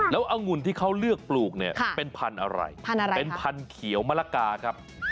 แล้วองุ่นที่เขาเลือกปลูกเนี่ยเป็นพันธุ์อะไรพันธุ์อะไรเป็นพันธุ์เขียวมะละกาครับ